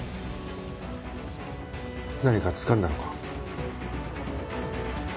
何かつかんだのか？